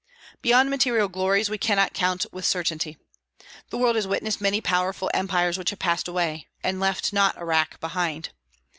Beyond material glories we cannot count with certainty. The world has witnessed many powerful empires which have passed away, and left "not a rack behind."